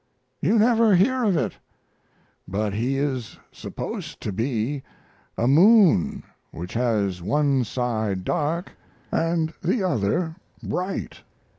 You never hear of it. He is supposed to be a moon which has one side dark and the other bright.